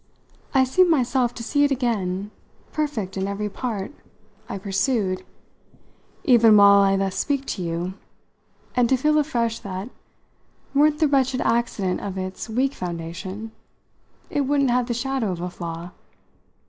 I seem myself to see it again, perfect in every part," I pursued, "even while I thus speak to you, and to feel afresh that, weren't the wretched accident of its weak foundation, it wouldn't have the shadow of a flaw.